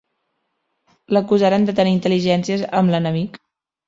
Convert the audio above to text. L'acusaren de tenir intel·ligències amb l'enemic.